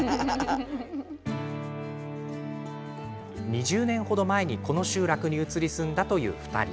２０年程前にこの集落に移り住んだという２人。